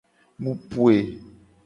Mu poe.